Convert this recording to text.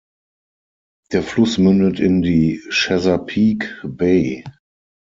Der Fluss mündet in die Chesapeake Bay.